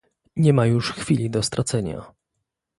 nie ma już chwili do stracenia